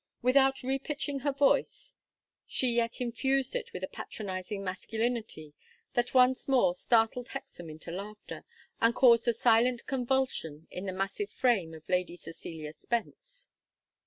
'" Without repitching her voice she yet infused it with a patronizing masculinity that once more startled Hexam into laughter, and caused a silent convulsion in the massive frame of Lady Cecilia Spence.